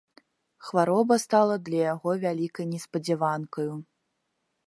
Хвароба стала для яго вялікай неспадзяванкаю.